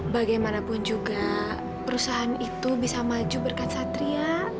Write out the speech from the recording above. bagaimanapun juga perusahaan itu bisa maju berkat satria